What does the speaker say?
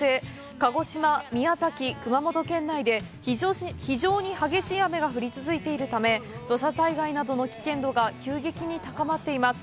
鹿児島、宮崎、熊本県内で非常に激しい雨が降り続けているため、土砂災害などの危険が急激に高まっています。